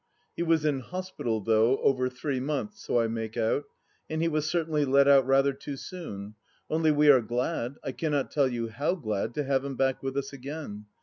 He was in hospital, though, over three months, so I make out, and he was certainly let out rather too soon ; only, we are glad — I cannot tell you how glad — to have him back with us again.